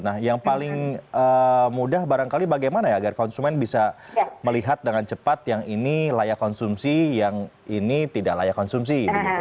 nah yang paling mudah barangkali bagaimana ya agar konsumen bisa melihat dengan cepat yang ini layak konsumsi yang ini tidak layak konsumsi